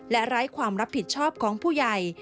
และไร้ความรับผิดชอบของผู้ใหญ่